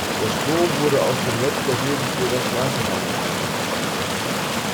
Der Strom wurde aus dem Netz der Regensburger Straßenbahn entnommen.